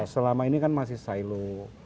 selama ini kan masih silo